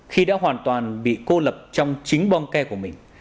khi đã hoàn toàn bị cô lập trong chính bong ke của mình